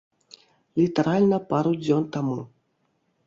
Літаральна пару дзён таму.